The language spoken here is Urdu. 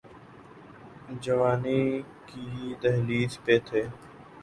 جوانی کی دہلیز پہ تھے۔